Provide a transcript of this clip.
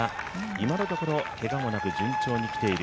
今のところけがもなく順調にきている。